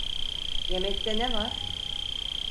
Yemekte ne var?